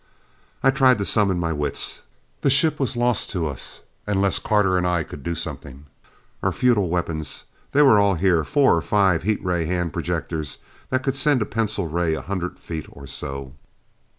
I tried to summon my wits. The ship was lost to us unless Carter and I could do something. Our futile weapons! They were all here four or five heat ray hand projectors that could send a pencil ray a hundred feet or so.